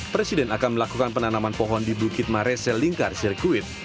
presiden akan melakukan penanaman pohon di bukit marese lingkar sirkuit